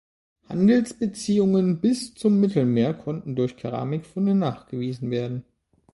Handelsbeziehungen bis zum Mittelmeer konnten durch Keramik-Funde nachgewiesen werden.